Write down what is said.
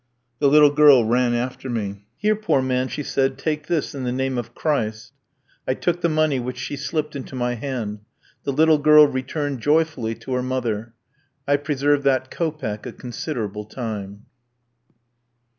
The little girl ran after me. "Here, poor man," she said, "take this in the name of Christ." I took the money which she slipped into my hand. The little girl returned joyfully to her mother. I preserved that kopeck a considerable time.